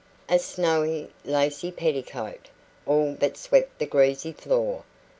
A snowy, lacy petticoat all but swept the greasy floor.